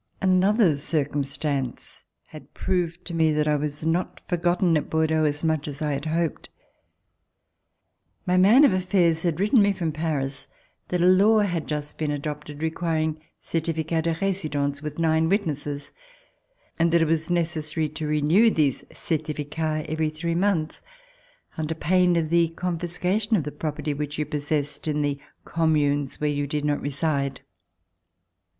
Another circumstance had proved to me that I was not forgotten at Bordeaux, as much as I had hoped. My man of afifairs had written me from Paris that a law had just been adopted requiring certificats de residence with nine witnesses, and that it was necessary to renew these certificats every three months under pain of the confiscation of the property which you possessed in the communes where you did not reside.